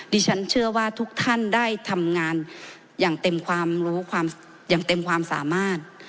ดิฉันเชื่อว่าทุกท่านได้ทำงานอย่างเต็มความรู้ความอย่างเต็มความสามารถ